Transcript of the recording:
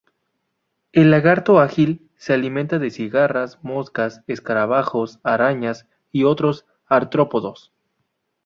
El Lagarto ágil se alimenta de cigarras, moscas, escarabajos, arañas y otros artrópodos.